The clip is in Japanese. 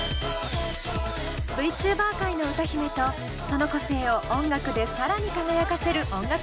Ｖチューバー界の歌姫とその個性を音楽で更に輝かせる音楽